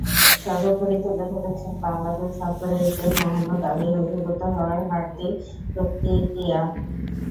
সর্বোপরি তুলে ধরেছেন বাংলাদেশ সফরে এসে মোহাম্মদ আলীর অভিভূত হওয়ার হার্দিক প্রতিক্রিয়া।